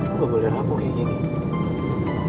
lo ga boleh rapuh kayak gini